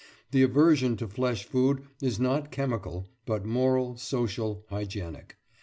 The aversion to flesh food is not chemical, but moral, social, hygienic.